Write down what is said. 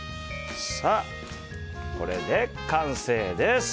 これで完成です！